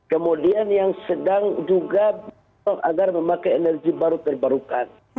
kemudian yang sedang juga agar memakai energi baru terbarukan